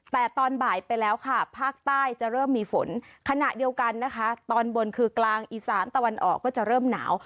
แต่ตอนบ่ายไปแล้วค่ะภาคใต้จะเริ่มมีฝนขณะเดียวกันนะคะตอนบนคือกลางอีสานตะวันออกก็จะเริ่มหนาว